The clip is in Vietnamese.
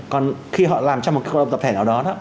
còn khi họ làm trong một cộng đồng tập thể nào đó